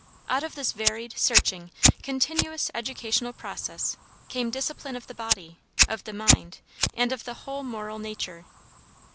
Out of this varied, searching, continuous educational process came discipline of the body, of the mind, and of the whole moral nature.